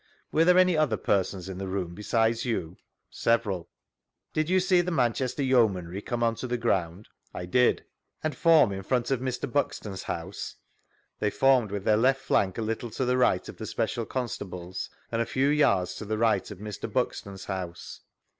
Were there any other persons in the room be sides you?— ^veral. Did you see the Manchester Yeomanry come on to the ground ?— I did And form in front of Mr. Buxton's house?— They formed Ivith their left 6ank a little to the right of the special constables, and a few yards to the right of Mr. Buxton's house.